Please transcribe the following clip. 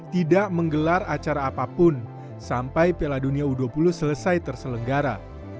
tidak menggelar acara apapun sampai piala dunia u dua puluh selesai terselenggara